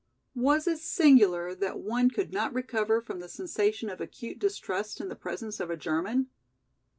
Was it singular that one could not recover from the sensation of acute distrust in the presence of a German?